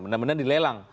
benar benar di lelang